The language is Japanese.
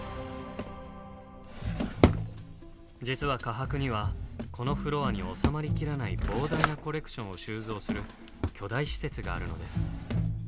実は科博にはこのフロアに収まりきらない膨大なコレクションを収蔵する巨大施設があるのです。